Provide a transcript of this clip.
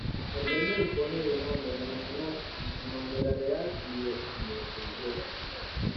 El reino dispone de una bandera nacional, una bandera real, y diversas banderas religiosas.